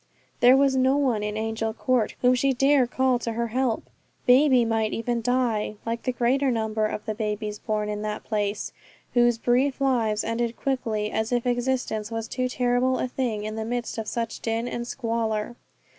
There was no one in Angel Court whom she dare call to her help. Baby might even die, like the greater number of the babies born in that place, whose brief lives ended quickly, as if existence was too terrible a thing in the midst of such din and squalor.